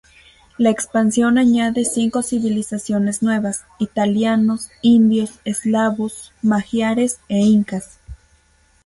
La expansión añade cinco civilizaciones nuevas: italianos, indios, eslavos, magiares e incas.